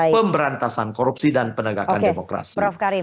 pemberantasan korupsi dan penegakan demokrasi